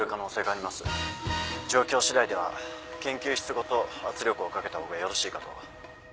状況しだいでは研究室ごと圧力をかけた方がよろしいかと。